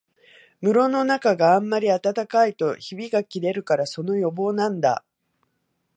室のなかがあんまり暖かいとひびがきれるから、その予防なんだ